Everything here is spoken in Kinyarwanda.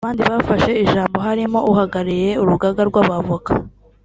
Abandi bafashe ijambo harimo uhagarariye Urugaga rw’Abavoka